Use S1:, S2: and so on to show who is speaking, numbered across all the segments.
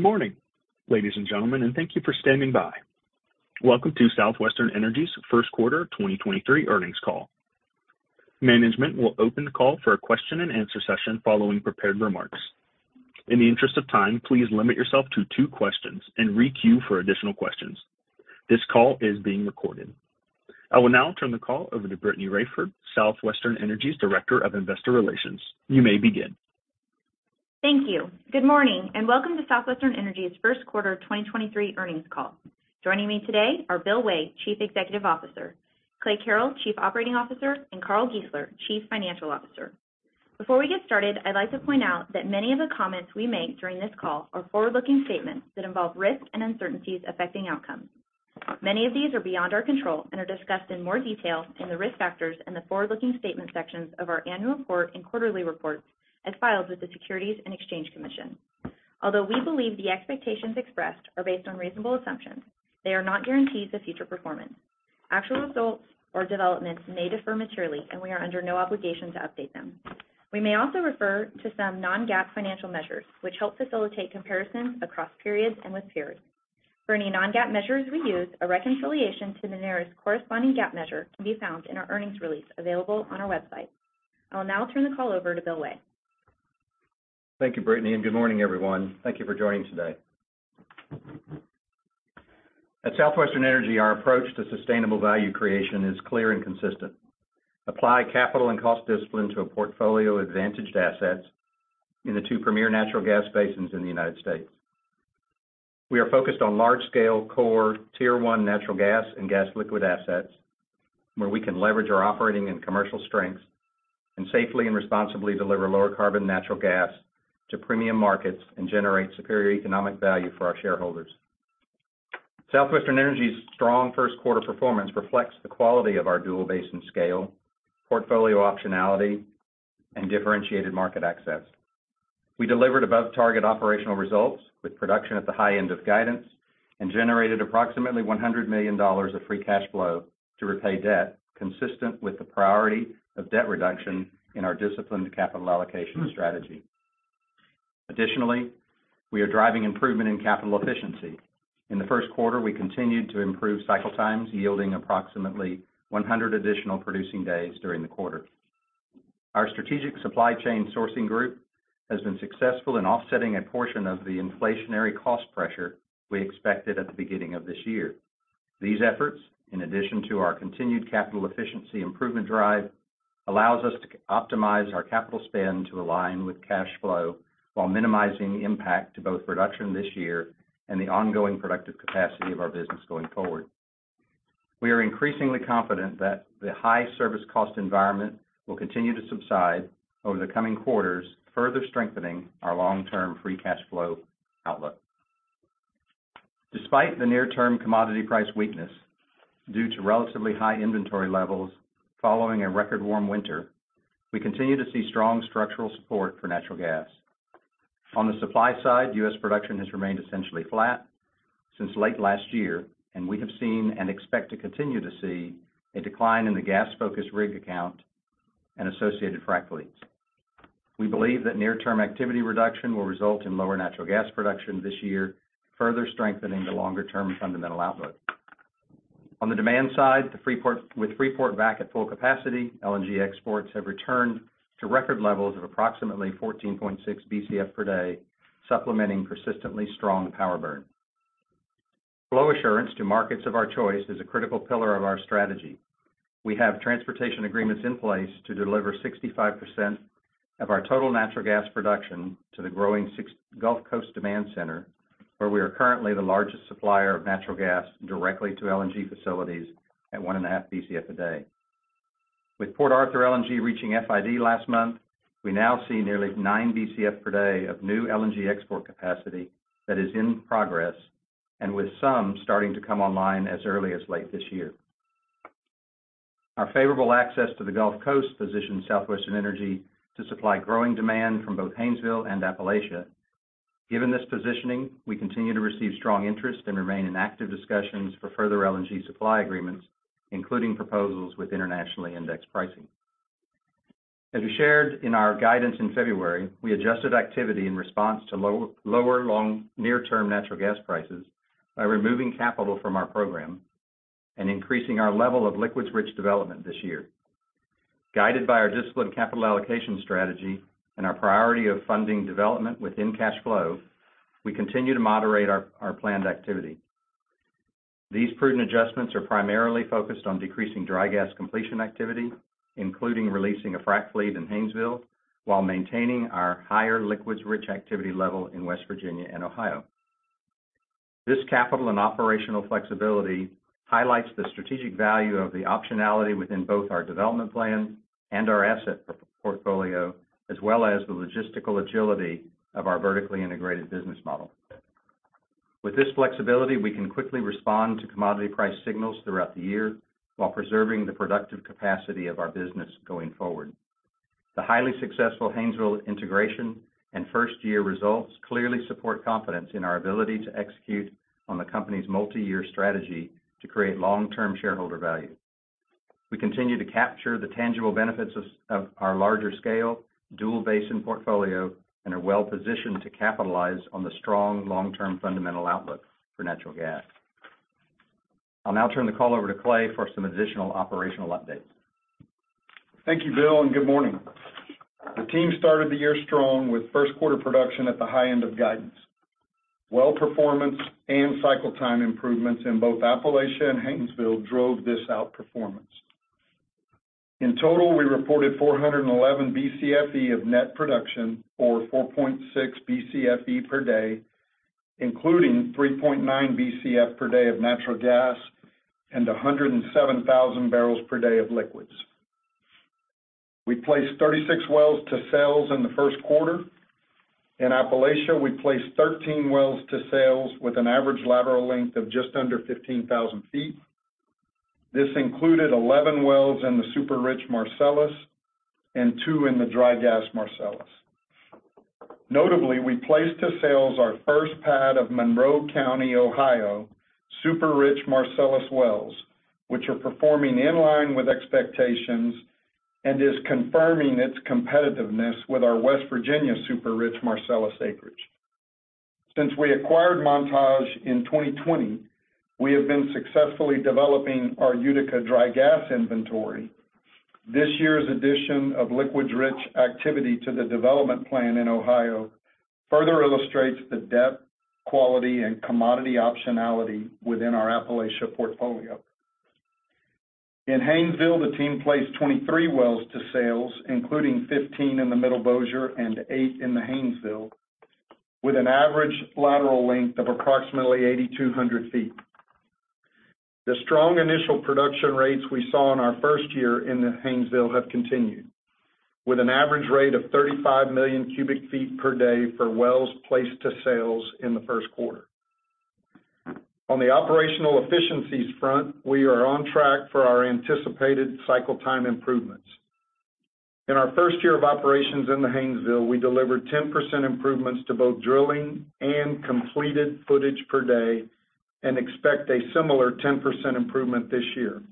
S1: Good morning, ladies and gentlemen, thank you for standing by. Welcome to Southwestern Energy's first quarter 2023 earnings call. Management will open the call for a question and answer session following prepared remarks. In the interest of time, please limit yourself to two questions and re-queue for additional questions. This call is being recorded. I will now turn the call over to Brittany Raiford Southwestern Energy's Director of Investor Relations. You may begin.
S2: Thank you. Good morning, and welcome to Southwestern Energy's first quarter 2023 earnings call. Joining me today are Bill Way, Chief Executive Officer; Clay Carrell, Chief Operating Officer; and Carl Giesler, Chief Financial Officer. Before we get started, I'd like to point out that many of the comments we make during this call are forward-looking statements that involve risks and uncertainties affecting outcomes. Many of these are beyond our control and are discussed in more detail in the Risk Factors and the Forward Looking Statements sections of our annual report and quarterly reports as filed with the Securities and Exchange Commission. Although we believe the expectations expressed are based on reasonable assumptions, they are not guarantees of future performance. Actual results or developments may differ materially and we are under no obligation to update them. We may also refer to some non-GAAP financial measures, which help facilitate comparisons across periods and with peers. For any non-GAAP measures we use, a reconciliation to the nearest corresponding GAAP measure can be found in our earnings release available on our website. I'll now turn the call over to Bill Way.
S3: Thank you, Brittany, and good morning, everyone. Thank you for joining today. At Southwestern Energy, our approach to sustainable value creation is clear and consistent. Apply capital and cost discipline to a portfolio advantaged assets in the two premier natural gas basins in the United States. We are focused on large-scale core Tier One natural gas and gas liquid assets, where we can leverage our operating and commercial strengths and safely and responsibly deliver lower carbon natural gas to premium markets and generate superior economic value for our shareholders. Southwestern Energy's strong first quarter performance reflects the quality of our dual basin scale, portfolio optionality, and differentiated market access. We delivered above target operational results with production at the high end of guidance and generated approximately $100 million of free cash flow to repay debt, consistent with the priority of debt reduction in our disciplined capital allocation strategy. Additionally, we are driving improvement in capital efficiency. In the first quarter, we continued to improve cycle times, yielding approximately 100 additional producing days during the quarter. Our strategic supply chain sourcing group has been successful in offsetting a portion of the inflationary cost pressure we expected at the beginning of this year. These efforts, in addition to our continued capital efficiency improvement drive, allows us to optimize our capital spend to align with cash flow while minimizing impact to both production this year and the ongoing productive capacity of our business going forward. We are increasingly confident that the high service cost environment will continue to subside over the coming quarters, further strengthening our long-term free cash flow outlook. Despite the near-term commodity price weakness due to relatively high inventory levels following a record warm winter, we continue to see strong structural support for natural gas. On the supply side, U.S. production has remained essentially flat since late last year, and we have seen and expect to continue to see a decline in the gas-focused rig count and associated frac fleets. We believe that near term activity reduction will result in lower natural gas production this year, further strengthening the longer term fundamental outlook. On the demand side, with Freeport back at full capacity, LNG exports have returned to record levels of approximately 14.6 BCF per day, supplementing persistently strong power burn. Flow assurance to markets of our choice is a critical pillar of our strategy. We have transportation agreements in place to deliver 65% of our total natural gas production to the growing Gulf Coast demand center, where we are currently the largest supplier of natural gas directly to LNG facilities at 1.5 BCF a day. With Port Arthur LNG reaching FID last month, we now see nearly nine BCF per day of new LNG export capacity that is in progress and with some starting to come online as early as late this year. Our favorable access to the Gulf Coast positions Southwestern Energy to supply growing demand from both Haynesville and Appalachia. Given this positioning we continue to receive strong interest and remain in active discussions for further LNG supply agreements, including proposals with internationally indexed pricing. As we shared in our guidance in February, we adjusted activity in response to lower near-term natural gas prices by removing capital from our program and increasing our level of liquids rich development this year. Guided by our disciplined capital allocation strategy and our priority of funding development within cash flow, we continue to moderate our planned activity. These prudent adjustments are primarily focused on decreasing dry gas completion activity, including releasing a frac fleet in Haynesville, while maintaining our higher liquids rich activity level in West Virginia and Ohio. This capital and operational flexibility highlights the strategic value of the optionality within both our development plan and our asset portfolio, as well as the logistical agility of our vertically integrated business model. With this flexibility, we can quickly respond to commodity price signals throughout the year while preserving the productive capacity of our business going forward. The highly successful Haynesville integration and first-year results clearly support confidence in our ability to execute on the company's multi-year strategy to create long-term shareholder value. We continue to capture the tangible benefits of our larger scale, dual basin portfolio, and are well positioned to capitalize on the strong long-term fundamental outlook for natural gas. I'll now turn the call over to Clay for some additional operational updates.
S4: Thank you, Bill, and good morning. The team started the year strong with first quarter production at the high end of guidance. Well performance and cycle time improvements in both Appalachia and Haynesville drove this outperformance. In total, we reported 411 Bcfe of net production or 4.6 Bcfe per day, including 3.9 Bcf per day of natural gas and 107,000 barrels per day of liquids. We placed 36 wells to sales in the first quarter. In Appalachia, we placed 13 wells to sales with an average lateral length of just under 15,000 feet. This included 11 wells in the super rich Marcellus and two in the dry gas Marcellus. Notably, we placed to sales our first pad of Monroe County, Ohio, super rich Marcellus wells, which are performing in line with expectations and is confirming its competitiveness with our West Virginia super rich Marcellus acreage. Since we acquired Montage in 2020, we have been successfully developing our Utica dry gas inventory. This year's addition of liquids-rich activity to the development plan in Ohio further illustrates the depth, quality, and commodity optionality within our Appalachia portfolio. In Haynesville, the team placed 23 wells to sales, including 15 in the Middle Bossier and eight in the Haynesville, with an average lateral length of approximately 8,200 feet. The strong initial production rates we saw in our first year in the Haynesville have continued, with an average rate of 35 million cubic feet per day for wells placed to sales in the first quarter. On the operational efficiencies front, we are on track for our anticipated cycle time improvements. In our first year of operations in the Haynesville, we delivered 10% improvements to both drilling and completed footage per day and expect a similar 10% improvement this year.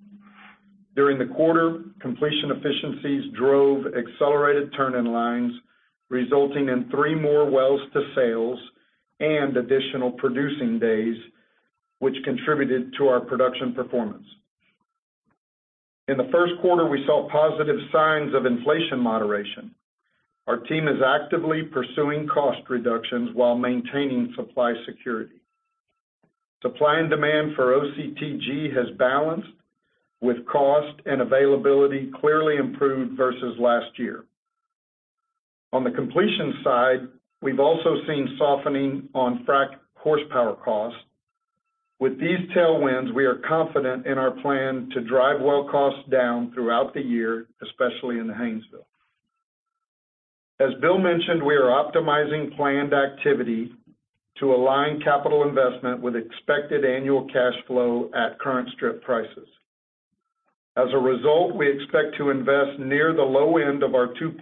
S4: During the quarter, completion efficiencies drove accelerated turn-in-lines, resulting in three more wells to sales and additional producing days, which contributed to our production performance. In the first quarter, we saw positive signs of inflation moderation. Our team is actively pursuing cost reductions while maintaining supply security. Supply and demand for OCTG has balanced with cost and availability clearly improved versus last year. On the completion side, we've also seen softening on frac horsepower costs. With these tailwinds, we are confident in our plan to drive well costs down throughout the year, especially in the Haynesville. As Bill mentioned, we are optimizing planned activity to align capital investment with expected annual cash flow at current strip prices. As a result, we expect to invest near the low end of our $2.2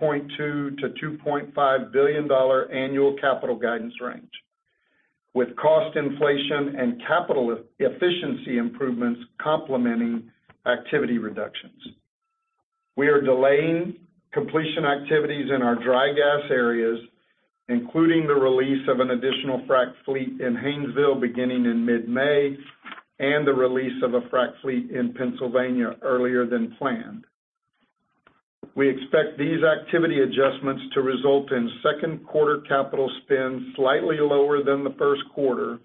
S4: billion-$2.5 billion annual capital guidance range, with cost inflation and capital efficiency improvements complementing activity reductions. We are delaying completion activities in our dry gas areas, including the release of an additional frac fleet in Haynesville beginning in mid May and the release of a frac fleet in Pennsylvania earlier than planned. We expect these activity adjustments to result in second quarter capital spend slightly lower than the first quarter,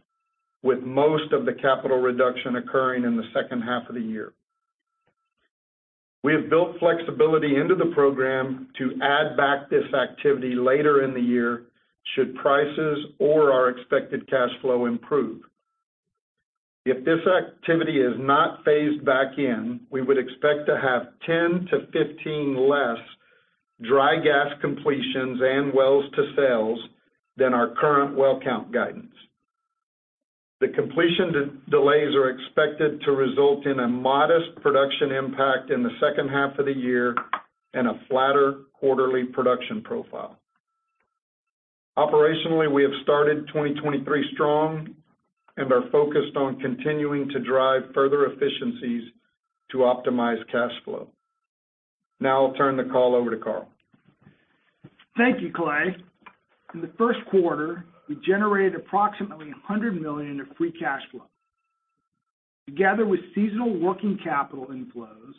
S4: with most of the capital reduction occurring in the second half of the year. We have built flexibility into the program to add back this activity later in the year, should prices or our expected cash flow improve. If this activity is not phased back in, we would expect to have ten to 15 less dry gas completions and wells to sales than our current well count guidance. The completion delays are expected to result in a modest production impact in the second half of the year and a flatter quarterly production profile. Operationally, we have started 2023 strong and are focused on continuing to drive further efficiencies to optimize cash flow. I'll turn the call over to Carl.
S5: Thank you, Clay. In the first quarter, we generated approximately $100 million of free cash flow. Together with seasonal working capital inflows,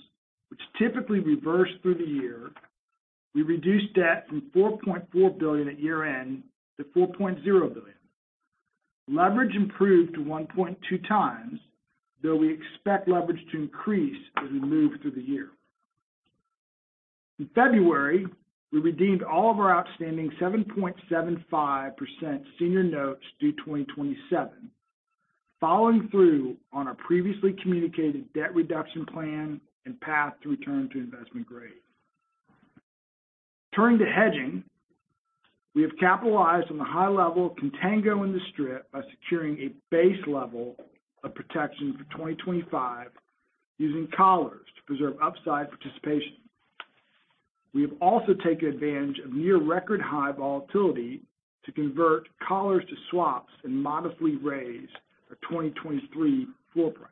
S5: which typically reverse through the year, we reduced debt from $4.4 billion at year-end to $4.0 billion. Leverage improved to 1.2x, though we expect leverage to increase as we move through the year. In February, we redeemed all of our outstanding 7.75% Senior Notes due 2027, following through on our previously communicated debt reduction plan and path to return to investment grade. Turning to hedging, we have capitalized on the high level of contango in the strip by securing a base level of protection for 2025 using collars to preserve upside participation.
S4: We have also taken advantage of near record high volatility to convert collars to swaps and modestly raise our 2023 floor price.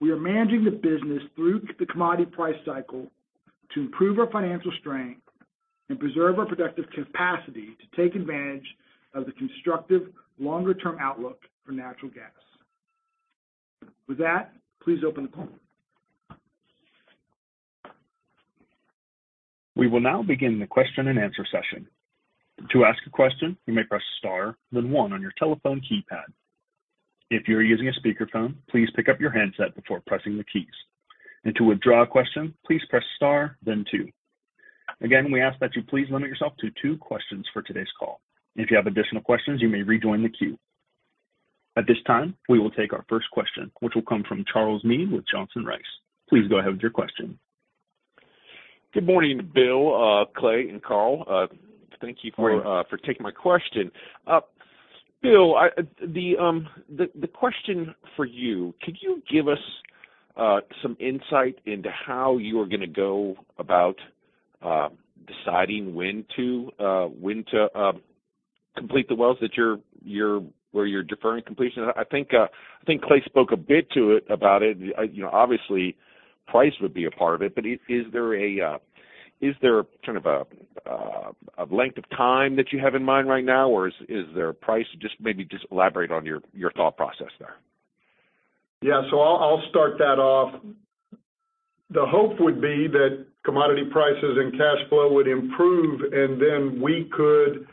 S4: We are managing the business through the commodity price cycle to improve our financial strength and preserve our productive capacity to take advantage of the constructive longer-term outlook for natural gas. Please open the call.
S1: We will now begin the question-and-answer session. To ask a question, you may press star then one on your telephone keypad. If you are using a speakerphone, please pick up your handset before pressing the keys. To withdraw a question, please press star then two. Again, we ask that you please limit yourself to two questions for today's call. If you have additional questions, you may rejoin the queue. At this time, we will take our first question, which will come from Charles Meade with Johnson Rice. Please go ahead with your question.
S6: Good morning, Bill, Clay, and Carl. Thank you for taking my question. Bill, the question for you, could you give us some insight into how you are gonna go about deciding when to complete the wells where you're deferring completion? I think Clay spoke a bit to it about it. You know, obviously price would be a part of it, but is there a kind of a length of time that you have in mind right now, or is there a price? Just maybe elaborate on your thought process there.
S4: I'll start that off. The hope would be that commodity prices and cash flow would improve, we could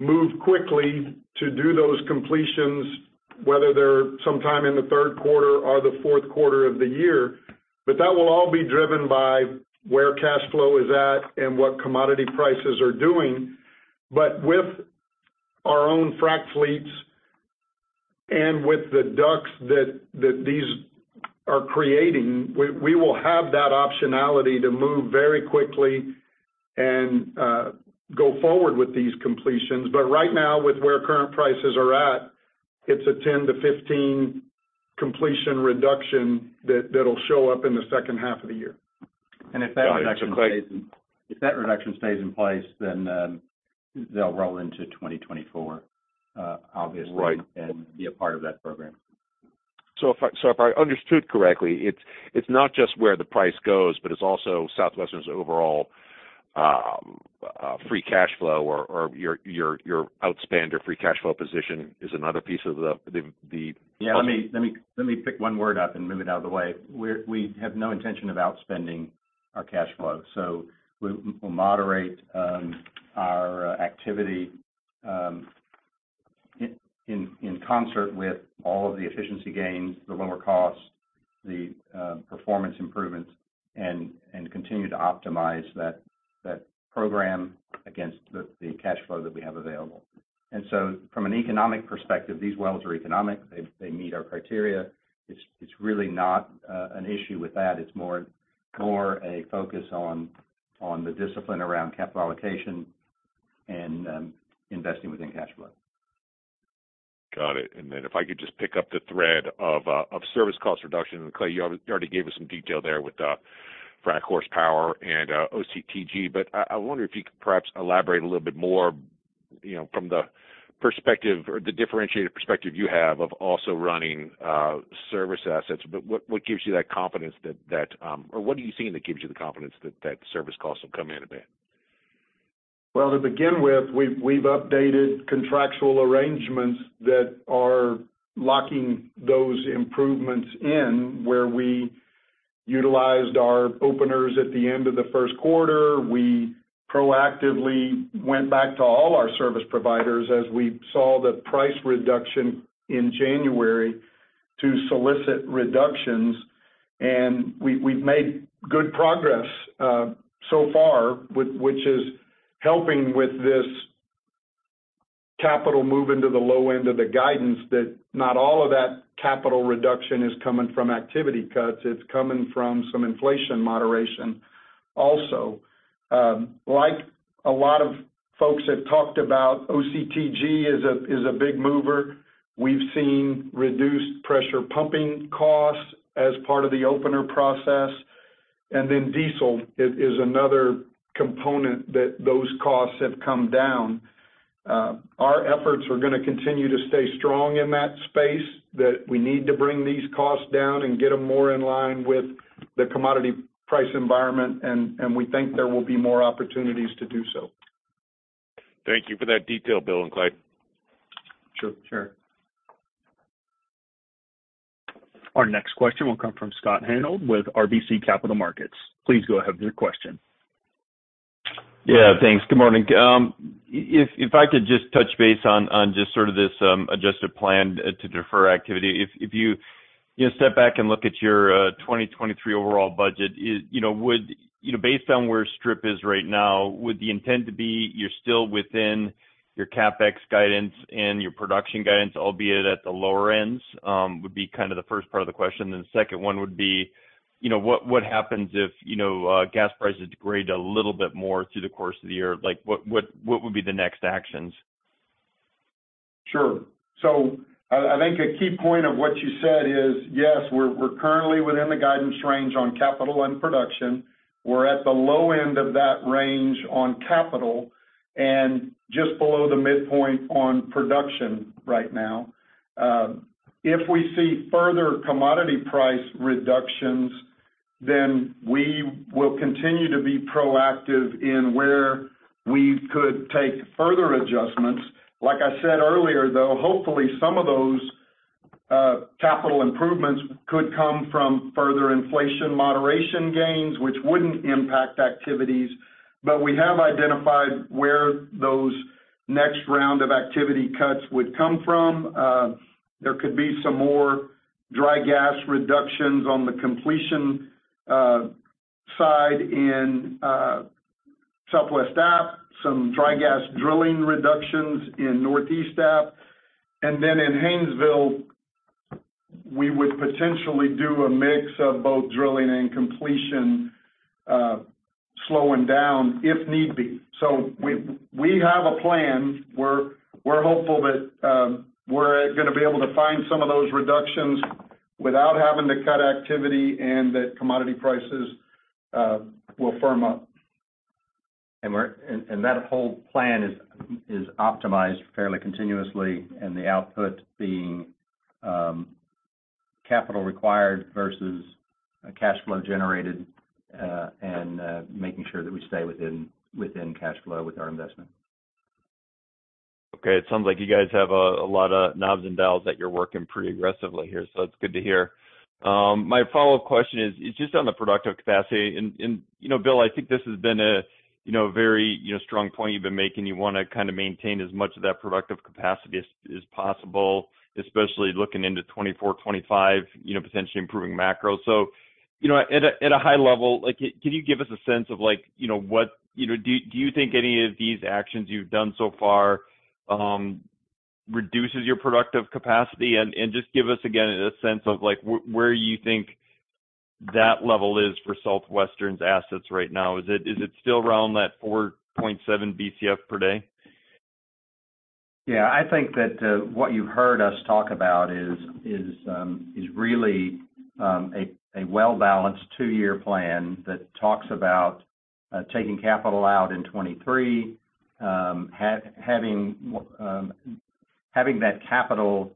S4: move quickly to do those completions, whether they're sometime in the third quarter or the fourth quarter of the year. That will all be driven by where cash flow is at and what commodity prices are doing. With our own frac fleets and with the DUCs that these are creating, we will have that optionality to move very quickly and go forward with these completions. Right now, with where current prices are at, it's a ten to 15 completion reduction that'll show up in the second half of the year.
S6: Got it.
S3: If that reduction stays in place, then they'll roll into 2024, obviously.
S4: Right.
S3: Be a part of that program.
S6: If I understood correctly, it's not just where the price goes, but it's also Southwestern's overall, free cash flow or your outspend or free cash flow position is another piece of the...
S3: Yeah. Let me pick one word up and move it out of the way. We have no intention of outspending our cash flow, so we'll moderate our activity in concert with all of the efficiency gains, the lower costs, the performance improvements, and continue to optimize that program against the cash flow that we have available. From an economic perspective, these wells are economic. They meet our criteria. It's really not an issue with that. It's more a focus on the discipline around capital allocation and investing within cash flow.
S6: Got it. If I could just pick up the thread of service cost reduction, and Clay you already gave us some detail there with frac horsepower and OCTG, but I wonder if you could perhaps elaborate a little bit more, you know, from the perspective or the differentiated perspective you have of also running service assets. What gives you that confidence that. What are you seeing that gives you the confidence that service costs will come in a bit?
S4: Well, to begin with, we've updated contractual arrangements that are locking those improvements in, where we utilized our openers at the end of the first quarter. We proactively went back to all our service providers as we saw the price reduction in January to solicit reductions. We've made good progress so far with which is helping with this capital move into the low end of the guidance that not all of that capital reduction is coming from activity cuts. It's coming from some inflation moderation also. Like a lot of folks have talked about, OCTG is a big mover. We've seen reduced pressure pumping costs as part of the opener process, and then diesel is another component that those costs have come down. Our efforts are gonna continue to stay strong in that space, that we need to bring these costs down and get them more in line with the commodity price environment, and we think there will be more opportunities to do so.
S6: Thank you for that detail, Bill and Clay.
S4: Sure.
S3: Sure.
S1: Our next question will come from Scott Hanold with RBC Capital Markets. Please go ahead with your question.
S7: Yeah, thanks. Good morning. If, if I could just touch base on just sort of this adjusted plan to defer activity. If, if you know, step back and look at your 2023 overall budget, You know, based on where strip is right now, would the intent to be you're still within your CapEx guidance and your production guidance, albeit at the lower ends, would be kind of the first part of the question. Then the second one would be, you know, what happens if, you know, gas prices degrade a little bit more through the course of the year? Like, what would be the next actions?
S4: Sure. I think a key point of what you said is, yes, we're currently within the guidance range on capital and production. We're at the low end of that range on capital and just below the midpoint on production right now. If we see further commodity price reductions, we will continue to be proactive in where we could take further adjustments. Like I said earlier, though, hopefully some of those capital improvements could come from further inflation moderation gains, which wouldn't impact activities. We have identified where those next round of activity cuts would come from. There could be some more dry gas reductions on the completion side in Southwest App, some dry gas drilling reductions in Northeast App. In Haynesville, we would potentially do a mix of both drilling and completion slowing down if need be. We have a plan. We're hopeful that we're gonna be able to find some of those reductions without having to cut activity and that commodity prices will firm up.
S3: That whole plan is optimized fairly continuously, and the output being, capital required versus cash flow generated, and making sure that we stay within cash flow with our investment.
S7: Okay. It sounds like you guys have a lot of knobs and dials that you're working pretty aggressively here, so it's good to hear. My follow-up question is just on the productive capacity. You know, Bill, I think this has been a, you know, very, you know, strong point you've been making. You wanna kinda maintain as much of that productive capacity as possible, especially looking into 2024, 2025, you know, potentially improving macro. You know, at a high level, like, can you give us a sense of like, you know, what... You know, do you think any of these actions you've done so far reduces your productive capacity? Just give us again a sense of like where you think that level is for Southwestern's assets right now. Is it still around that 4.7 Bcf per day?
S3: Yeah. I think that what you heard us talk about is really a well balanced two year plan that talks about taking capital out in 23, having that capital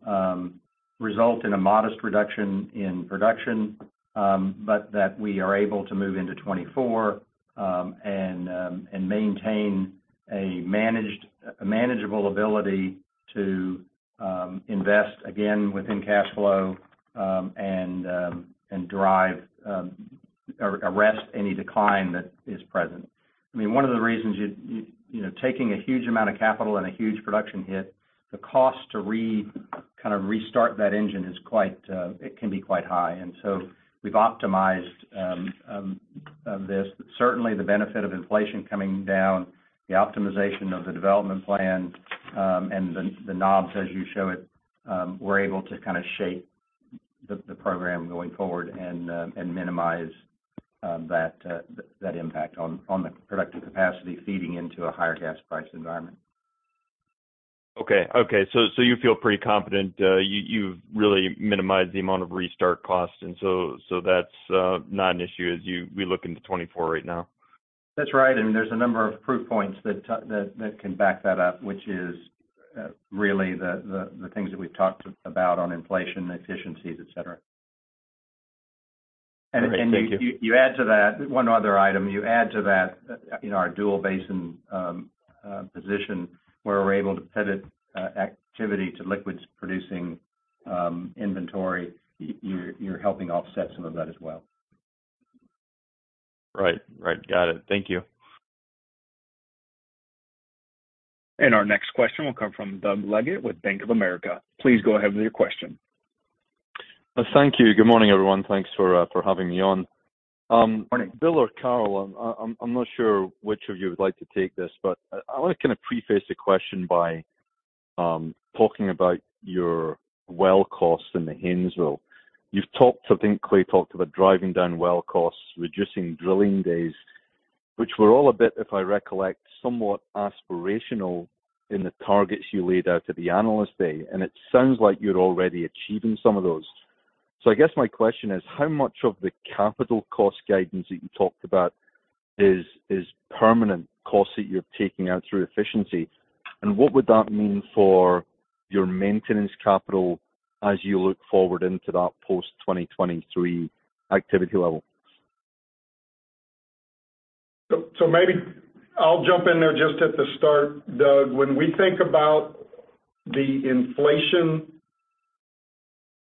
S3: result in a modest reduction in production, but that we are able to move into 24 and maintain a managed, a manageable ability to invest again within cash flow and drive or arrest any decline that is present. I mean, one of the reasons you know, taking a huge amount of capital and a huge production hit, the cost to kind of restart that engine is quite, it can be quite high. We've optimized this. Certainly, the benefit of inflation coming down, the optimization of the development plan, and the knobs as you show it, we're able to kinda shape the program going forward and minimize that impact on the productive capacity feeding into a higher gas price environment.
S7: Okay. So you've really minimized the amount of restart costs, and so that's not an issue as we look into 24 right now?
S3: That's right. I mean, there's a number of proof points that that can back that up, which is really the things that we've talked about on inflation, efficiencies, et cetera.
S7: Great. Thank you.
S3: You add to that one other item. You add to that, you know, our dual basin position, where we're able to pivot activity to liquids producing inventory, you're helping offset some of that as well.
S7: Right. Right. Got it. Thank you.
S1: Our next question will come from Doug Leggate with Bank of America. Please go ahead with your question.
S4: Thank you. Good morning, everyone. Thanks for having me on.
S3: Morning.
S4: Bill or Carl, I'm not sure which of you would like to take this, but I wanna kinda preface the question by talking about your well costs in the Haynesville. You've talked, I think Clay talked about driving down well costs, reducing drilling days, which were all a bit, if I recollect, somewhat aspirational in the targets you laid out at the Analyst Day. It sounds like you're already achieving some of those. I guess my question is: How much of the capital cost guidance that you talked about is permanent costs that you're taking out through efficiency? What would that mean for your maintenance capital as you look forward into that post-2023 activity level? Maybe I'll jump in there just at the start, Doug. When we think about the inflation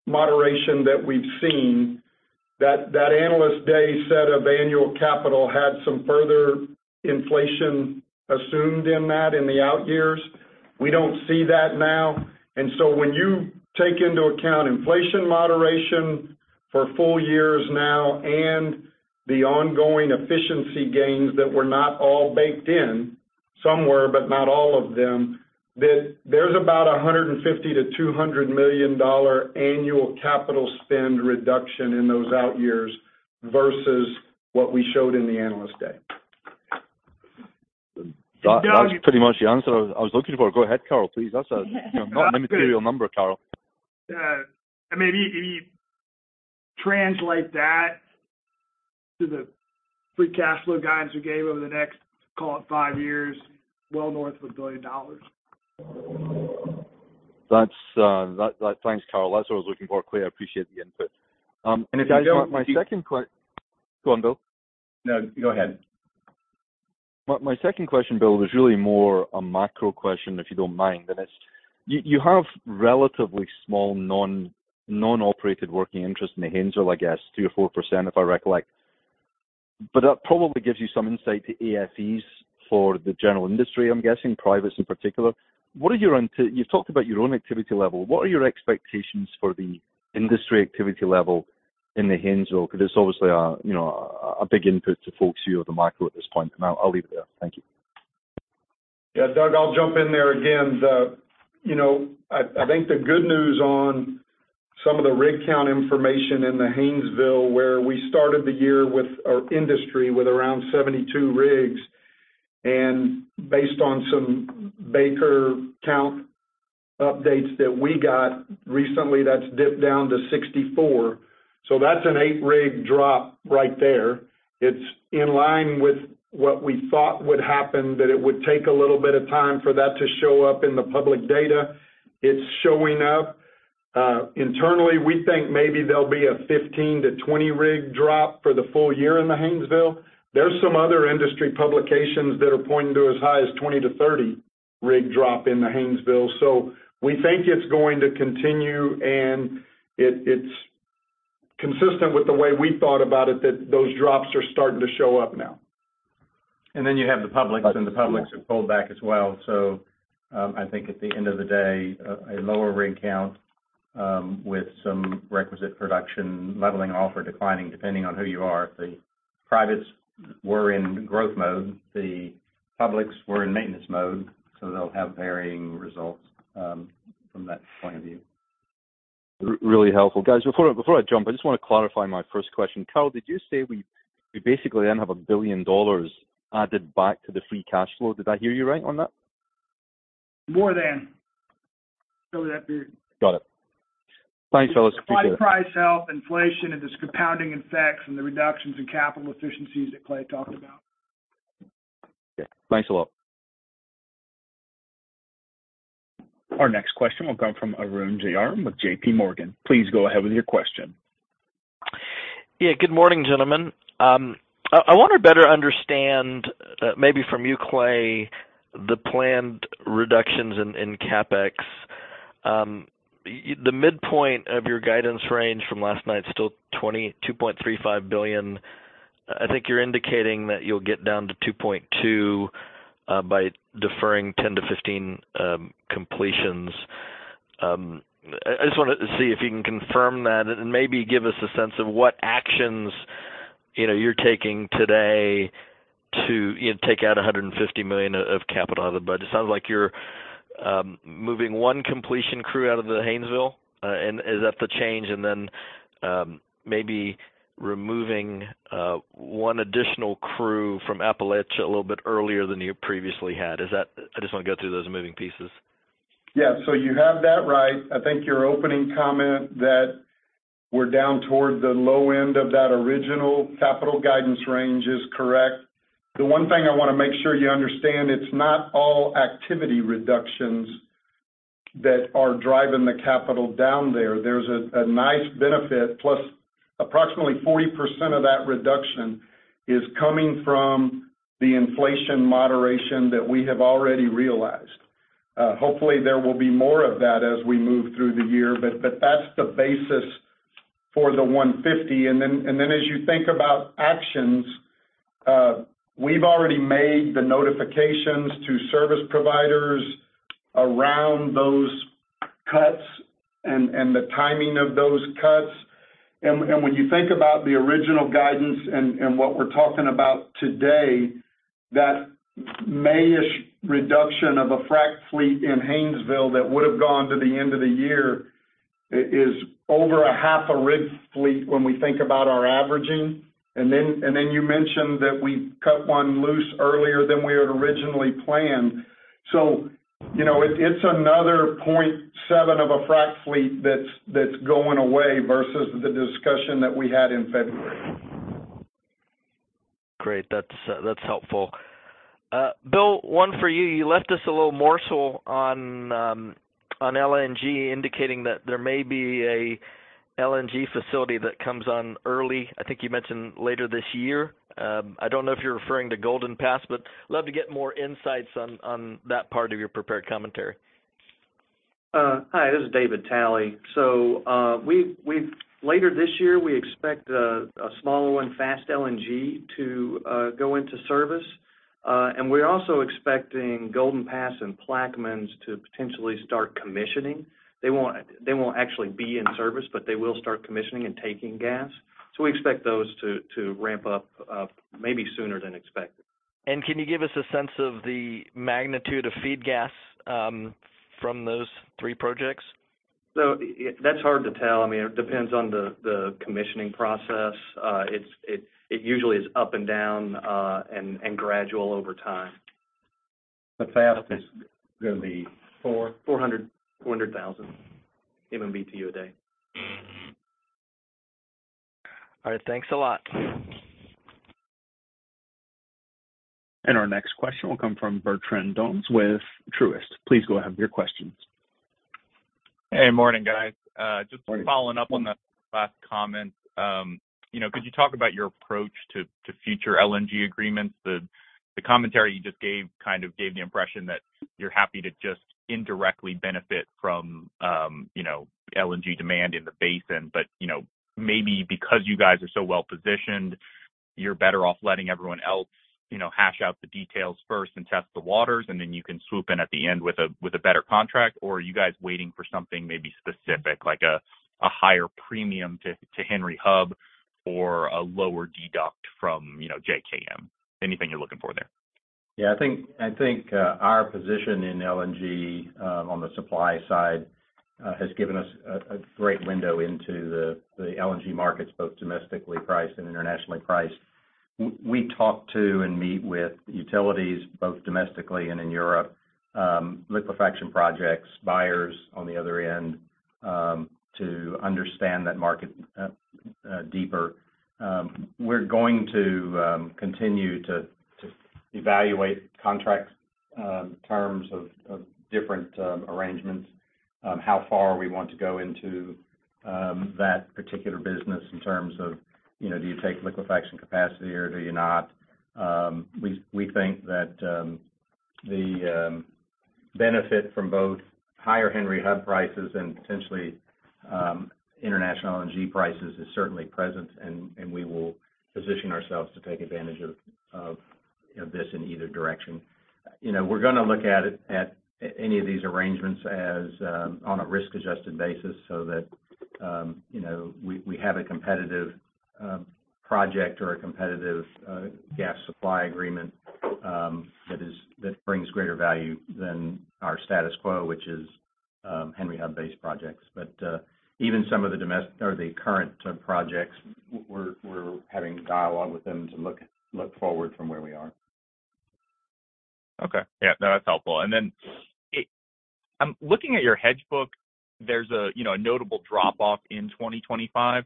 S4: moderation that we've seen, that Analyst Day set of annual capital had some further inflation assumed in that in the out years. We don't see that now. When you take into account inflation moderation for full years now and the ongoing efficiency gains that were not all baked in, some were, but not all of them, that there's about a $150 million-$200 million annual capital spend reduction in those out years versus what we showed in the Analyst Day.
S8: That was pretty much the answer I was looking for. Go ahead, Carl, please. That's not an immaterial number, Carl.
S5: Yeah. I mean, if you translate that to the free cash flow guidance we gave over the next, call it five years, well north of $1 billion.
S8: That's. Thanks, Carl. That's what I was looking for. Clay, I appreciate the input.
S4: Doug-
S8: My second. Go on, Bill.
S3: No, go ahead.
S8: My second question, Bill, is really more a macro question, if you don't mind. It's, you have relatively small non-operated working interest in the Haynesville, I guess 2%-4%, if I recollect. That probably gives you some insight to AFEs for the general industry, I'm guessing, privates in particular. You've talked about your own activity level, what are your expectations for the industry activity level in the Haynesville? 'Cause it's obviously a, you know, a big input to folks view of the macro at this point. I'll leave it there. Thank you.
S4: Yeah, Doug, I'll jump in there again. you know, I think the good news on some of the rig count information in the Haynesville, where we started the year with our industry with around 72 rigs, and based on some Baker count updates that we got recently, that's dipped down to 64. That's an eight rig drop right there. It's in line with what we thought would happen, that it would take a little bit of time for that to show up in the public data. It's showing up. Internally, we think maybe there'll be a 15-20 rig drop for the full year in the Haynesville. There's some other industry publications that are pointing to as high as 20-30 rig drop in the Haynesville. We think it's going to continue, and it's consistent with the way we thought about it, that those drops are starting to show up now.
S3: Then you have the publics, and the publics have pulled back as well. I think at the end of the day, a lower rig count with some requisite production leveling off or declining, depending on who you are. The privates were in growth mode, the publics were in maintenance mode, they'll have varying results from that point of view.
S8: Really helpful. Guys, before I jump, I just wanna clarify my first question. Carl, did you say we basically then have $1 billion added back to the free cash flow? Did I hear you right on that?
S5: More than over that period.
S8: Got it. Thanks, fellas. Appreciate it.
S5: With the flat price help inflation and just compounding effects and the reductions in capital efficiencies that Clay talked about.
S8: Yeah. Thanks a lot.
S1: Our next question will come from Arun Jayaram with J.P. Morgan. Please go ahead with your question.
S9: Yeah, good morning, gentlemen. I wanna better understand, maybe from you, Clay, the planned reductions in CapEx. The midpoint of your guidance range from last night's still $2.35 billion. I think you're indicating that you'll get down to $2.2 billion by deferring ten to 15 completions. I just wanted to see if you can confirm that and maybe give us a sense of what actions, you know, you're taking today to, you know, take out $150 million of capital out of the budget. Sounds like you're moving one completion crew out of the Haynesville. Is that the change? Then maybe removing one additional crew from Appalachia a little bit earlier than you previously had. I just wanna go through those moving pieces.
S4: Yeah. You have that right. I think your opening comment that we're down towards the low end of that original capital guidance range is correct. The one thing I wanna make sure you understand, it's not all activity reductions that are driving the capital down there. There's a nice benefit plus approximately 40% of that reduction is coming from the inflation moderation that we have already realized. Hopefully there will be more of that as we move through the year, but that's the basis for the $150. As you think about actions, we've already made the notifications to service providers around those cuts and the timing of those cuts. When you think about the original guidance and what we're talking about today, that May-ish reduction of a frac fleet in Haynesville that would've gone to the end of the year is over a half a rig fleet when we think about our averaging. Then you mentioned that we cut one loose earlier than we had originally planned. You know, it's another 0.7 of a frac fleet that's going away versus the discussion that we had in February.
S9: Great. That's helpful. Bill, one for you. You left us a little morsel on LNG, indicating that there may be a LNG facility that comes on early. I think you mentioned later this year. I don't know if you're referring to Golden Pass, but love to get more insights on that part of your prepared commentary.
S10: Hi, this is David Talley. Later this year, we expect a small and fast LNG to go into service. We're also expecting Golden Pass and Plaquemines to potentially start commissioning. They won't actually be in service, but they will start commissioning and taking gas. We expect those to ramp up maybe sooner than expected.
S9: Can you give us a sense of the magnitude of feed gas, from those 3 projects?
S10: That's hard to tell. I mean, it depends on the commissioning process. It usually is up and down, and gradual over time.
S3: The fastest gonna be four?
S10: 400,000 MMBtu a day.
S3: All right, thanks a lot.
S1: Our next question will come from Bertrand Donnes with Truist. Please go ahead with your questions.
S11: Hey, morning, guys.
S3: Morning.
S11: Just following up on the last comment, you know, could you talk about your approach to future LNG agreements? The commentary you just gave kind of gave the impression that you're happy to just indirectly benefit from, you know, LNG demand in the basin. You know, maybe because you guys are so well-positioned, you're better off letting everyone else, you know, hash out the details first and test the waters, and then you can swoop in at the end with a, with a better contract. Are you guys waiting for something maybe specific like a higher premium to Henry Hub or a lower deduct from, you know, JKM? Anything you're looking for there?
S3: I think our position in LNG on the supply side has given us a great window into the LNG markets, both domestically priced and internationally priced. We talk to and meet with utilities both domestically and in Europe, liquefaction projects, buyers on the other end, to understand that market deeper. We're going to continue to evaluate contract terms of different arrangements, how far we want to go into that particular business in terms of, you know, do you take liquefaction capacity or do you not? We think that the benefit from both higher Henry Hub prices and potentially international LNG prices is certainly present, and we will position ourselves to take advantage of, you know, this in either direction. You know, we're gonna look at any of these arrangements as on a risk-adjusted basis so that, you know, we have a competitive project or a competitive gas supply agreement that brings greater value than our status quo, which is Henry Hub-based projects. Even some of the current projects, we're having dialogue with them to look forward from where we are.
S11: Okay. Yeah, no, that's helpful. Looking at your hedge book, there's a, you know, a notable drop-off in 2025.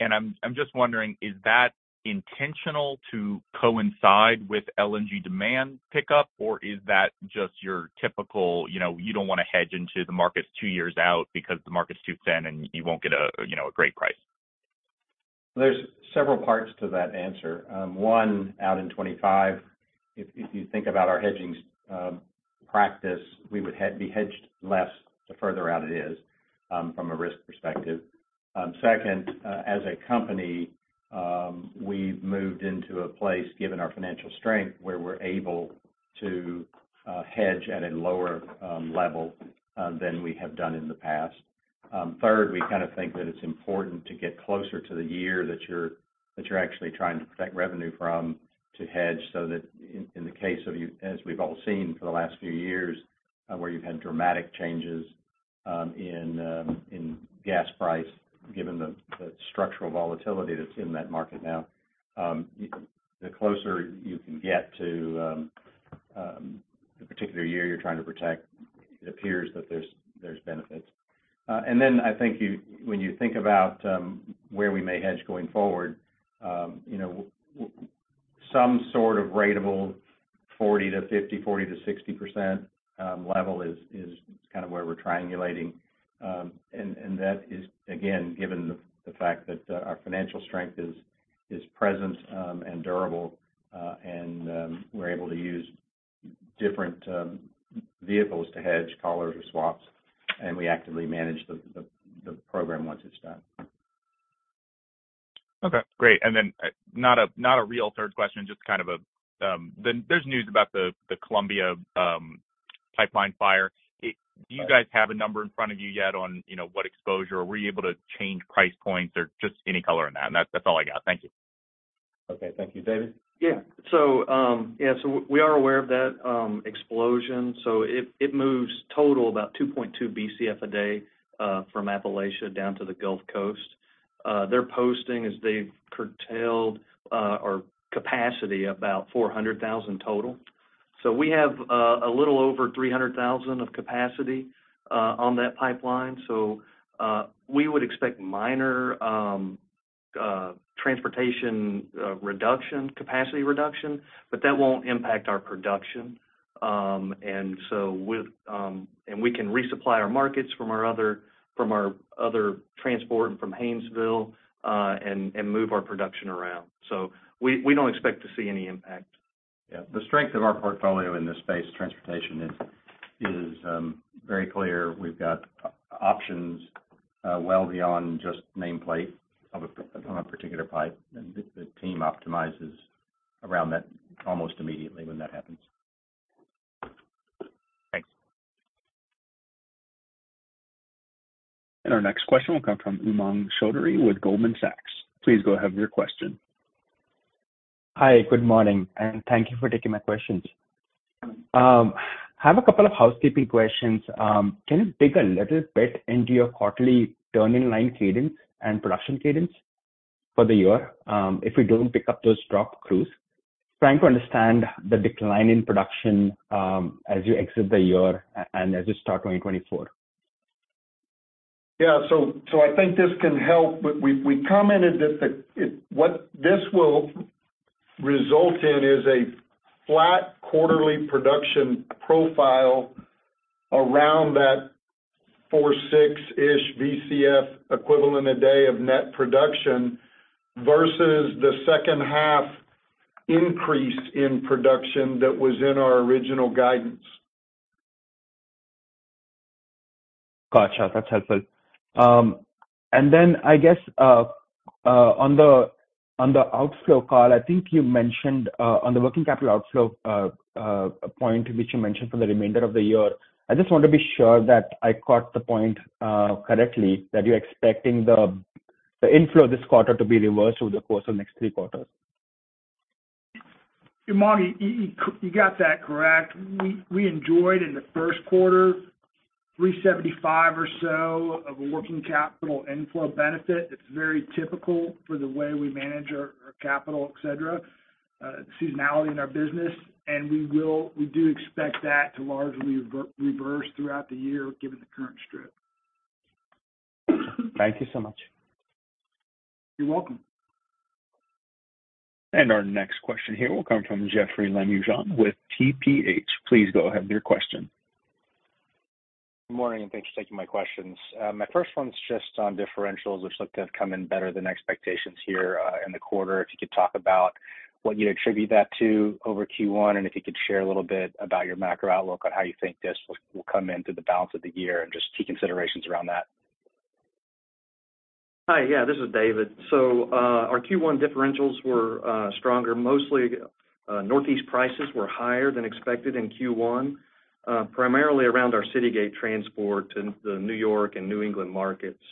S11: I'm just wondering, is that intentional to coincide with LNG demand pickup, or is that just your typical, you know, you don't wanna hedge into the markets two years out because the market's too thin, and you won't get a, you know, a great price?
S3: There's several parts to that answer. One, out in 25, if you think about our hedging practice, we would be hedged less the further out it is from a risk perspective. Second, as a company, we've moved into a place, given our financial strength, where we're able to hedge at a lower level than we have done in the past. Third, we kind of think that it's important to get closer to the year that you're actually trying to protect revenue from, to hedge so that in the case of as we've all seen for the last few years, where you've had dramatic changes in gas price, given the structural volatility that's in that market now, the closer you can get to the particular year you're trying to protect, it appears that there's benefits. Then I think when you think about where we may hedge going forward, you know, some sort of ratable 40% to 50%, 40% to 60% level is kind of where we're triangulating. That is again, given the fact that our financial strength is present, and durable, and we're able to use different vehicles to hedge collars or swaps, and we actively manage the program once it's done.
S11: Okay, great. Not a, not a real third question, just kind of a. There's news about the Columbia Pipeline fire.
S3: Right.
S11: Do you guys have a number in front of you yet on, you know, what exposure? Were you able to change price points or just any color on that? That's all I got. Thank you.
S3: Okay, thank you. David?
S10: Yeah. Yeah, so we are aware of that explosion. It moves total about 2.2 Bcf a day from Appalachia down to the Gulf Coast. They're posting as they've curtailed or capacity about 400,000 total. We have a little over 300,000 of capacity on that pipeline. We would expect minor transportation reduction, capacity reduction, but that won't impact our production. With, and we can resupply our markets from our other transport from Haynesville, and move our production around. We don't expect to see any impact.
S3: Yeah. The strength of our portfolio in this space, transportation is very clear. We've got options, well beyond just nameplate on a particular pipe. The team optimizes around that almost immediately when that happens.
S11: Thanks.
S1: Our next question will come from Umang Choudhary with Goldman Sachs. Please go ahead with your question.
S12: Hi, good morning, and thank you for taking my questions. Have a couple of housekeeping questions. Can you dig a little bit into your quarterly turning line cadence and production cadence for the year, if we don't pick up those dropped crews? Trying to understand the decline in production, as you exit the year and as you start 2024.
S4: Yeah. I think this can help. But we commented that what this will result in is a flat quarterly production profile around that 4.6-ish Bcfe a day of net production versus the second half increase in production that was in our original guidance.
S12: Gotcha. That's helpful. I guess on the outflow call, I think you mentioned on the working capital outflow point which you mentioned for the remainder of the year, I just want to be sure that I caught the point correctly, that you're expecting the inflow this quarter to be reversed over the course of the next three quarters.
S5: Manny, you got that correct. We enjoyed in the first quarter $375 or so of a working capital inflow benefit. It's very typical for the way we manage our capital, et cetera, seasonality in our business. We do expect that to largely reverse throughout the year given the current strip.
S12: Thank you so much.
S5: You're welcome.
S1: Our next question here will come from Jeoffrey Lambujon with Tudor, Pickering, Holt & Co.. Please go ahead with your question.
S13: Good morning, and thanks for taking my questions. My first one's just on differentials, which look to have come in better than expectations here, in the quarter. If you could talk about what you'd attribute that to over Q1, and if you could share a little bit about your macro outlook on how you think this will come in through the balance of the year and just key considerations around that.
S10: Hi. Yeah, this is David. Our Q1 differentials were stronger. Mostly, Northeast prices were higher than expected in Q1, primarily around our citygate transport to the New York and New England markets.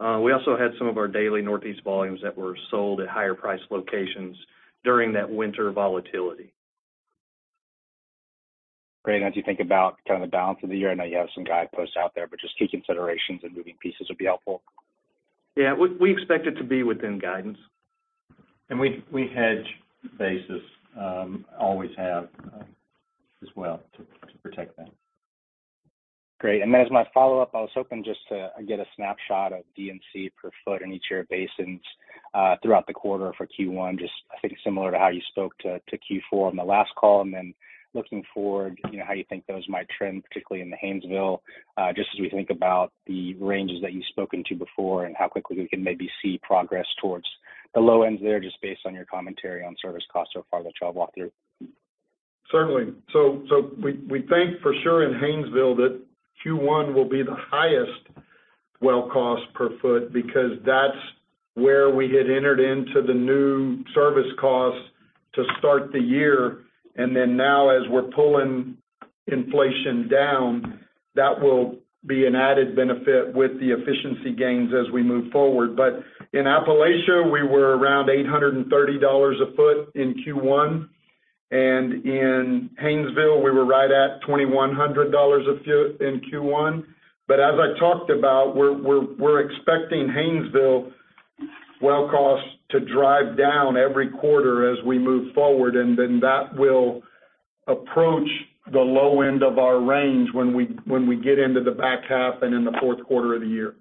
S10: We also had some of our daily Northeast volumes that were sold at higher price locations during that winter volatility.
S13: Great. As you think about kind of the balance of the year, I know you have some guideposts out there, but just key considerations and moving pieces would be helpful.
S10: Yeah. We expect it to be within guidance.
S3: We hedge basis, always have, as well to protect that.
S13: Great. As my follow-up, I was hoping just to get a snapshot of D&C per foot in each of your basins throughout the quarter for Q1. Just I think similar to how you spoke to Q4 on the last call, and then looking forward, you know, how you think those might trend, particularly in the Haynesville, just as we think about the ranges that you've spoken to before and how quickly we can maybe see progress towards the low ends there just based on your commentary on service costs so far in the job walkthrough?
S4: Certainly. We think for sure in Haynesville that Q1 will be the highest well cost per foot because that's where we had entered into the new service costs to start the year. Now as we're pulling inflation down, that will be an added benefit with the efficiency gains as we move forward. In Appalachia, we were around $830 a foot in Q1. In Haynesville, we were right at $2,100 a foot in Q1. As I talked about, we're expecting Haynesville well costs to drive down every quarter as we move forward, and then that will approach the low end of our range when we get into the back half and in the fourth quarter of the year.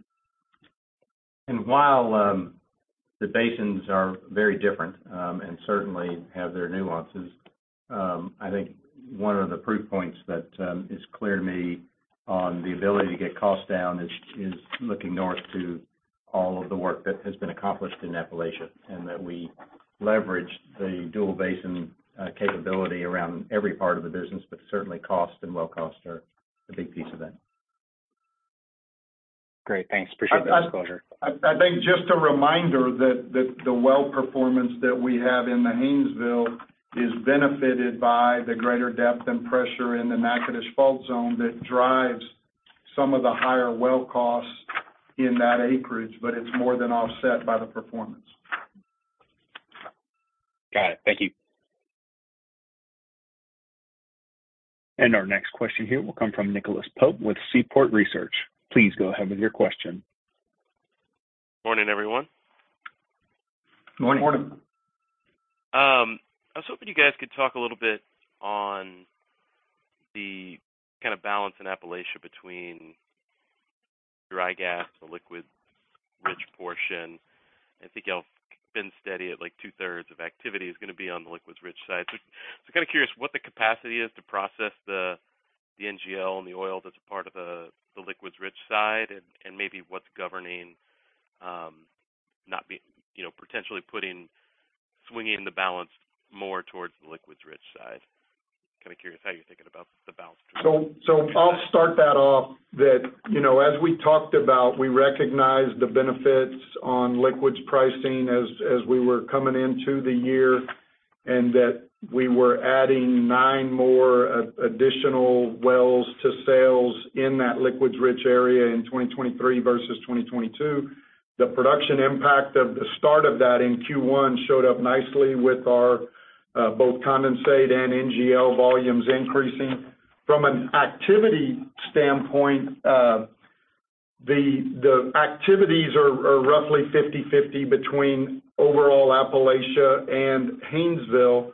S3: While the basins are very different, and certainly have their nuances, I think one of the proof points that is clear to me on the ability to get costs down is looking north to all of the work that has been accomplished in Appalachia, and that we leverage the dual basin capability around every part of the business, but certainly cost and well cost are a big piece of that.
S13: Great. Thanks. Appreciate the disclosure.
S4: I think just a reminder that the well performance that we have in the Haynesville is benefited by the greater depth and pressure in the Natchitoches Fault Zone that drives some of the higher well costs in that acreage, but it's more than offset by the performance.
S13: Got it. Thank you.
S1: Our next question here will come from Nicholas Pope with Seaport Research Partners. Please go ahead with your question.
S12: Morning, everyone.
S4: Morning.
S3: Morning.
S12: I was hoping you guys could talk a little bit on the kind of balance in Appalachia between dry gas and liquids rich portion. I think y'all have been steady at, like, two-thirds of activity is gonna be on the liquids rich side. Kinda curious what the capacity is to process the NGL and the oil that's part of the liquids rich side, and maybe what's governing, you know, potentially swinging the balance more towards the liquids rich side. Kinda curious how you're thinking about the balance between-
S4: I'll start that off that, you know, as we talked about, we recognized the benefits on liquids pricing as we were coming into the year, and that we were adding nine more additional wells to sales in that liquids rich area in 2023 versus 2022. The production impact of the start of that in Q1 showed up nicely with our both condensate and NGL volumes increasing. From an activity standpoint, the activities are roughly 50/50 between overall Appalachia and Haynesville.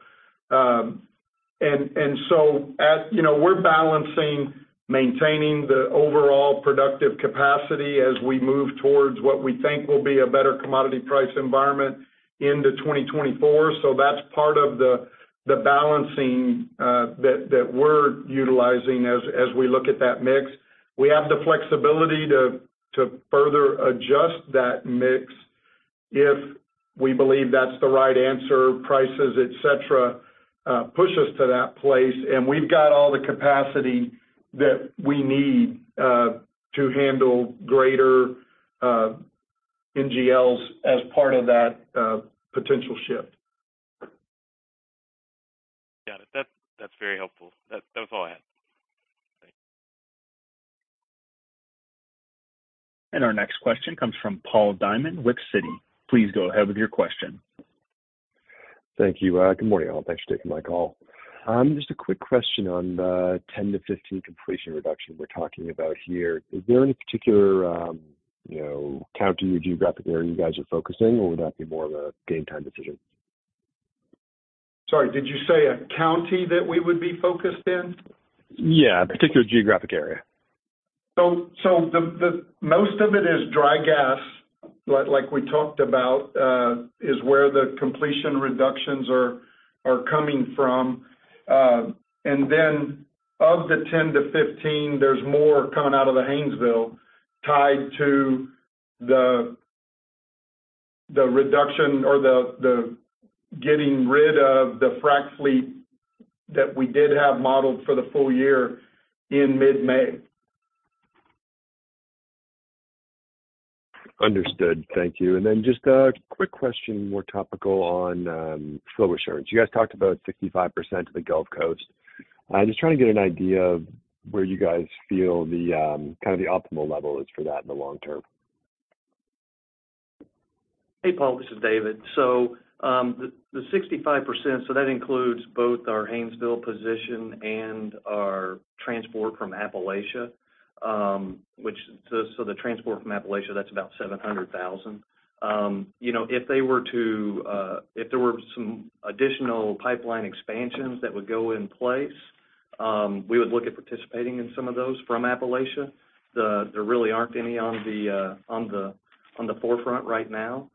S4: You know, we're balancing maintaining the overall productive capacity as we move towards what we think will be a better commodity price environment into 2024. That's part of the balancing that we're utilizing as we look at that mix. We have the flexibility to further adjust that mix if we believe that's the right answer, prices, et cetera, push us to that place. We've got all the capacity that we need to handle greater NGLs as part of that potential shift.
S12: Got it. That's very helpful. That was all I had. Thanks.
S1: Our next question comes from Paul Diamond with Citi. Please go ahead with your question.
S14: Thank you. Good morning, all. Thanks for taking my call. Just a quick question on the ten to15 completion reduction we're talking about here. Is there any particular, you know, county or geographic area you guys are focusing, or would that be more of a game time decision?
S4: Sorry, did you say a county that we would be focused in?
S14: Yeah, a particular geographic area.
S4: The most of it is dry gas, like we talked about, is where the completion reductions are coming from. Of the ten to 15, there's more coming out of the Haynesville tied to the reduction or the getting rid of the frac fleet that we did have modeled for the full year in mid May.
S14: Understood. Thank you. Just a quick question, more topical on flow assurance. You guys talked about 65% of the Gulf Coast. I'm just trying to get an idea of where you guys feel the kind of the optimal level is for that in the long term?
S10: Hey, Paul, this is David. The 65%, that includes both our Haynesville position and our transport from Appalachia, which the transport from Appalachia, that's about 700,000. You know, if there were some additional pipeline expansions that would go in place, we would look at participating in some of those from Appalachia. There really aren't any on the forefront right now.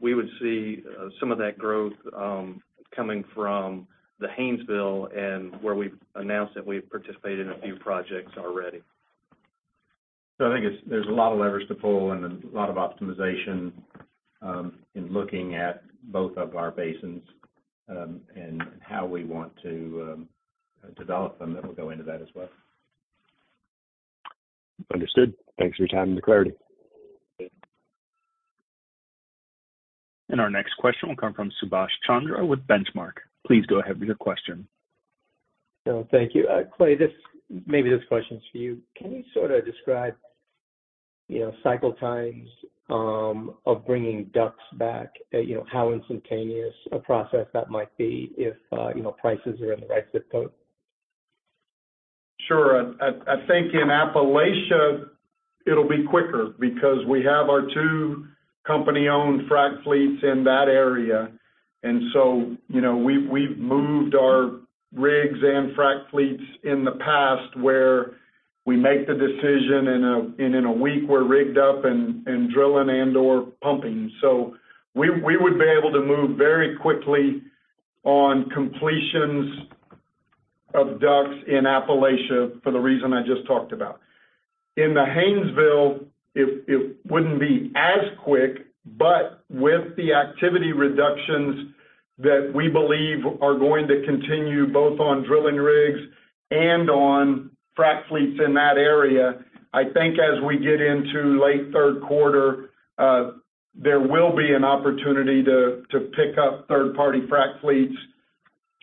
S10: We would see some of that growth coming from the Haynesville and where we've announced that we've participated in a few projects already.
S3: I think there's a lot of levers to pull and a lot of optimization in looking at both of our basins and how we want to develop them, and we'll go into that as well.
S14: Understood. Thanks for your time and the clarity.
S1: Our next question will come from Subash Chandra with Benchmark. Please go ahead with your question.
S15: Thank you. Clay, maybe this question is for you. Can you sort of describe, you know, cycle times of bringing DUCs back? You know, how instantaneous a process that might be if, you know, prices are in the right zip code?
S4: Sure. I think in Appalachia it'll be quicker because we have our two company-owned frac fleets in that area. You know, we've moved our rigs and frac fleets in the past where we make the decision and in a week we're rigged up and drilling and/or pumping. So we would be able to move very quickly on completions of DUCs in Appalachia for the reason I just talked about. In the Haynesville, it wouldn't be as quick, with the activity reductions that we believe are going to continue both on drilling rigs and on frac fleets in that area, I think as we get into late third quarter, there will be an opportunity to pick up third-party frac fleets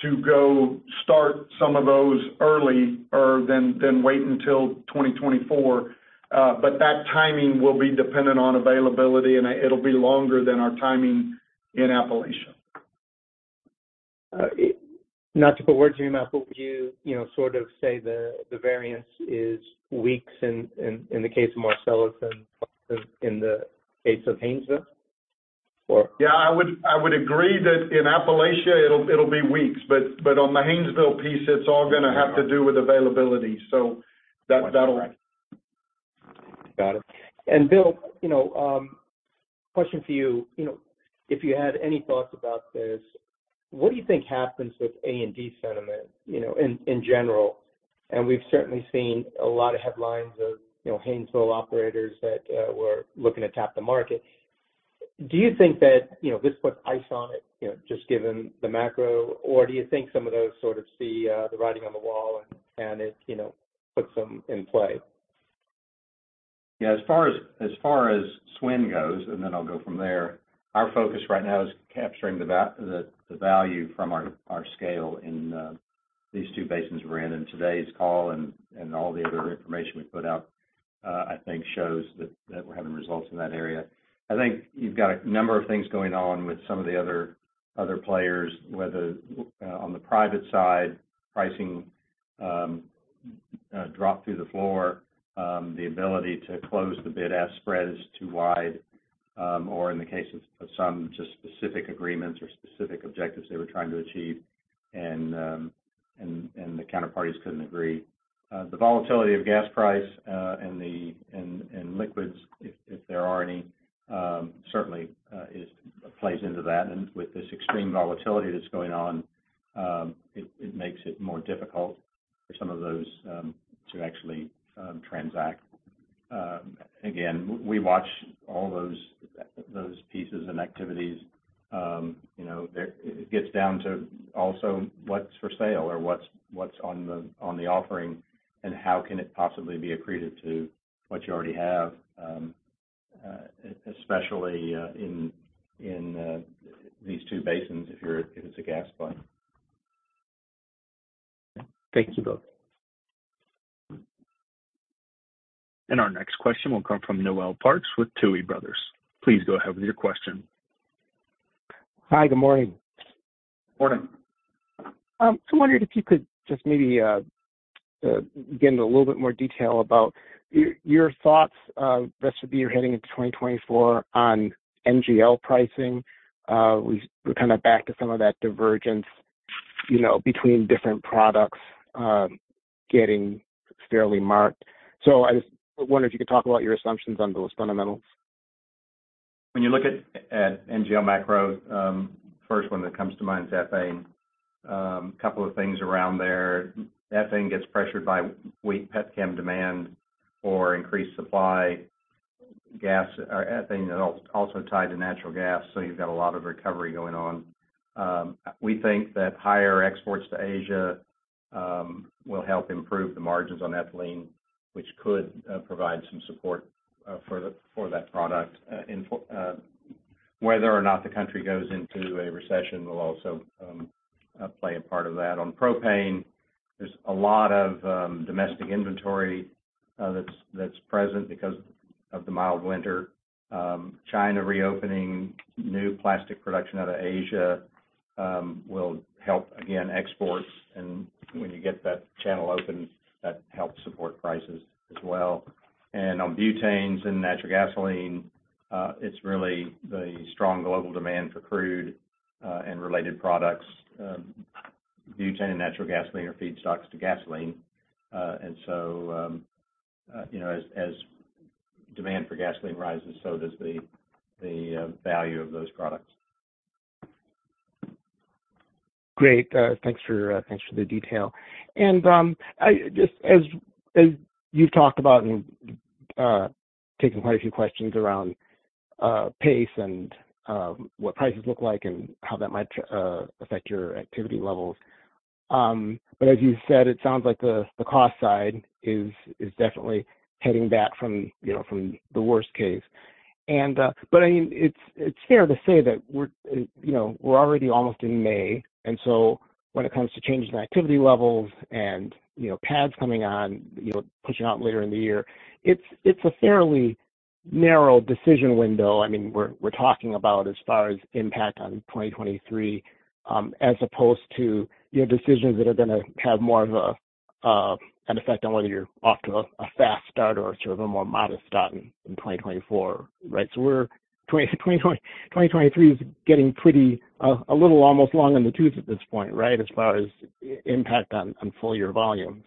S4: to go start some of those early rather than wait until 2024. That timing will be dependent on availability, and it'll be longer than our timing in Appalachia.
S15: Not to put words in your mouth, but would you know, sort of say the variance is weeks in the case of Marcellus than in the case of Haynesville? Or?
S4: Yeah, I would agree that in Appalachia it'll be weeks, on the Haynesville piece it's all gonna have to do with availability.
S15: Got it. Bill, you know, question for you. You know, if you had any thoughts about this, what do you think happens with A&D sentiment, you know, in general? We've certainly seen a lot of headlines of, you know, Haynesville operators that were looking to tap the market. Do you think that, you know, this puts ice on it, you know, just given the macro? Or do you think some of those sort of see the writing on the wall and it, you know, puts them in play?
S3: Yeah, as far as SWN goes, and then I'll go from there, our focus right now is capturing the value from our scale in these two basins we're in. Today's call and all the other information we put out, I think shows that we're having results in that area. I think you've got a number of things going on with some of the other players, whether on the private side, pricing dropped through the floor. The ability to close the bid-ask spread is too wide, or in the case of some, just specific agreements or specific objectives they were trying to achieve and the counterparties couldn't agree. The volatility of gas price and liquids if there are any, certainly plays into that. With this extreme volatility that's going on, it makes it more difficult for some of those to actually transact. Again, we watch all those pieces and activities. You know, it gets down to also what's for sale or what's on the offering and how can it possibly be accreted to what you already have, especially in these two basins if it's a gas play.
S16: Thank you both.
S1: Our next question will come from Noel Parks with Tuohy Brothers. Please go ahead with your question.
S16: Hi, good morning.
S3: Morning.
S16: I wondered if you could just maybe get into a little bit more detail about your thoughts, the rest of the year heading into 2024 on NGL pricing. We're kind of back to some of that divergence, you know, between different products, getting fairly marked. I just wondered if you could talk about your assumptions on those fundamentals.
S3: When you look at NGL macro, first one that comes to mind is ethane. A couple of things around there. Ethane gets pressured by weak petchem demand or increased supply. Gas or ethane are also tied to natural gas, so you've got a lot of recovery going on. We think that higher exports to Asia will help improve the margins on ethylene, which could provide some support for that product. Whether or not the country goes into a recession will also play a part of that. On propane, there's a lot of domestic inventory that's present because of the mild winter. China reopening new plastic production out of Asia will help again exports. When you get that channel open, that helps support prices as well. On butanes and natural gasoline, it's really the strong global demand for crude and related products. Butane and natural gasoline are feedstocks to gasoline. You know, as demand for gasoline rises, so does the value of those products.
S16: Great. Thanks for, thanks for the detail. As you've talked about and taken quite a few questions around pace and what prices look like and how that might affect your activity levels. As you said, it sounds like the cost side is definitely heading back from, you know, from the worst case. I mean, it's fair to say that we're, you know, we're already almost in May, and so when it comes to changes in activity levels and, you know, pads coming on, you know, pushing out later in the year, it's a fairly narrow decision window. I mean, we're talking about as far as impact on 2023, as opposed to, you know, decisions that are gonna have more of an effect on whether you're off to a fast start or sort of a more modest start in 2024, right? 2023 is getting pretty a little almost long in the tooth at this point, right? As far as impact on full year volumes.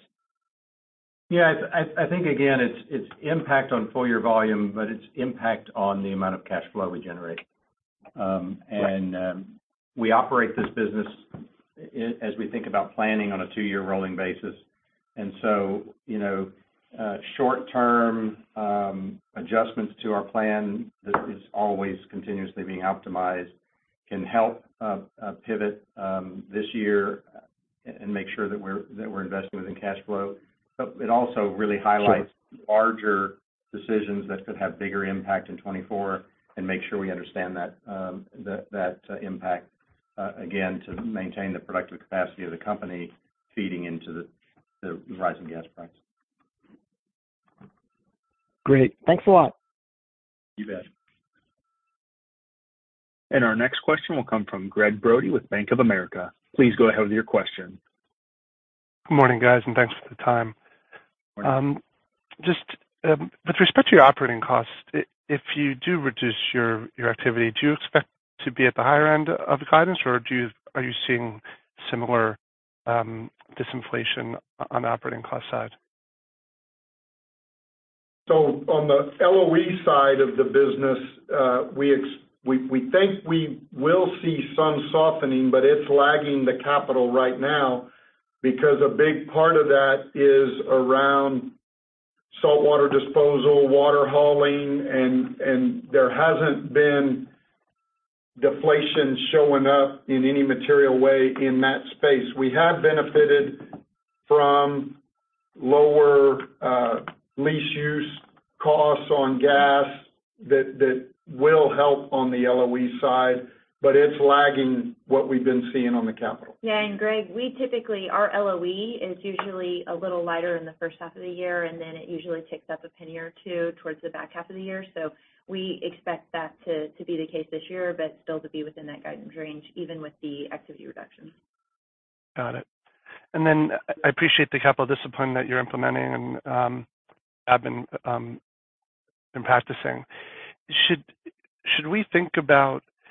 S3: Yeah. I think again, it's impact on full year volume, but it's impact on the amount of cash flow we generate. We operate this business as we think about planning on a two-year rolling basis. You know, short term adjustments to our plan that is always continuously being optimized can help pivot this year and make sure that we're investing within cash flow. It also really highlights-
S16: Sure...
S3: larger decisions that could have bigger impact in 2024 and make sure we understand that impact, again, to maintain the productive capacity of the company feeding into the rise in gas price.
S16: Great. Thanks a lot.
S3: You bet.
S1: Our next question will come from Gregg Brody with Bank of America. Please go ahead with your question.
S16: Good morning, guys, and thanks for the time.
S3: Morning.
S16: Just with respect to your operating costs, if you do reduce your activity, are you seeing similar disinflation on the operating cost side?
S3: On the LOE side of the business, we think we will see some softening, but it's lagging the capital right now because a big part of that is around saltwater disposal, water hauling, and there hasn't been deflation showing up in any material way in that space. We have benefited from lower lease use costs on gas that will help on the LOE side, but it's lagging what we've been seeing on the capital.
S17: Yeah. Greg, we typically, our LOE is usually a little lighter in the first half of the year, and then it usually ticks up a penny or two towards the back half of the year. We expect that to be the case this year, but still to be within that guidance range, even with the activity reduction.
S16: Got it. I appreciate the capital discipline that you're implementing and have been practicing.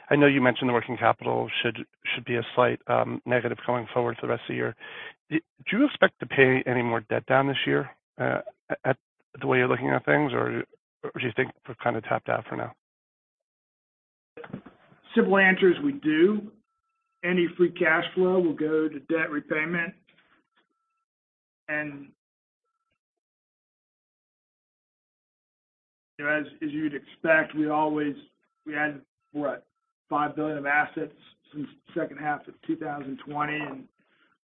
S16: I know you mentioned the working capital should be a slight negative going forward for the rest of the year. Do you expect to pay any more debt down this year at the way you're looking at things? Or do you think we're kind of tapped out for now?
S3: Simple answer is we do. Any free cash flow will go to debt repayment. You know, as you'd expect, we had, what, $5 billion of assets since the second half of 2020, and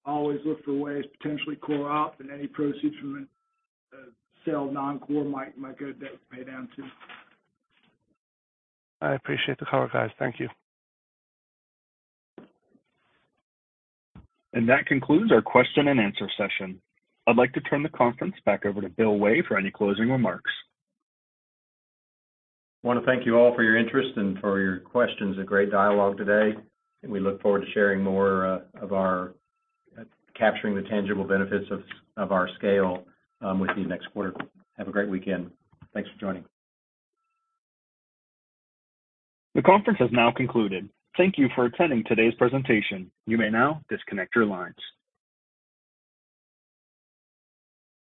S3: always look for ways to potentially core up and any proceeds from a sale of non-core might go to debt pay down too.
S16: I appreciate the color, guys. Thank you.
S1: That concludes our question and answer session. I'd like to turn the conference back over to Bill Way for any closing remarks.
S3: I wanna thank you all for your interest and for your questions. A great dialogue today. We look forward to sharing capturing the tangible benefits of our scale with you next quarter. Have a great weekend. Thanks for joining.
S1: The conference has now concluded. Thank you for attending today's presentation. You may now disconnect your lines.